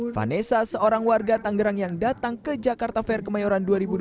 vanessa seorang warga tangerang yang datang ke jakarta fair kemayoran dua ribu dua puluh